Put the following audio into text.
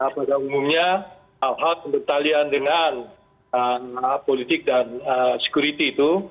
pada umumnya hal hal pembetalian dengan politik dan security itu